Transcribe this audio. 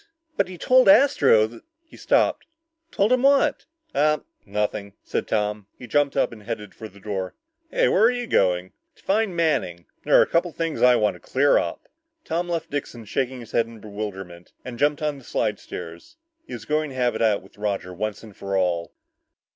"But he told Astro that " he stopped. "Told him what?" Dixon asked. "Ah nothing nothing " said Tom. He jumped up and headed for the door. "Hey, where are you going?" "To find Manning. There are a couple of things I want to clear up." Tom left Dixon shaking his head in bewilderment and jumped on the slidestairs. He was going to have it out with Roger once and for all.